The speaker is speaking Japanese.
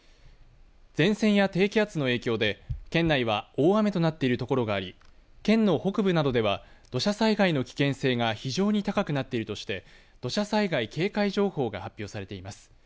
前線や低気圧の影響で県内は大雨となっている所があり県の北部などでは土砂災害の危険性が非常に高くなっているとして土砂災害警戒情報が発表されています。